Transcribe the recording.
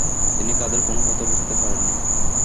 তিনি তাদের কোনো কথা বুঝতে পারেন নি।